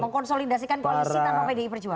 mengkonsolidasikan polisi tanpa medai perjuangan